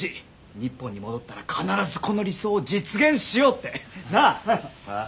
日本に戻ったら必ずこの理想を実現しようって。なあ？ああ。